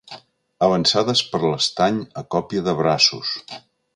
Avançades per l'estany a còpia de braços.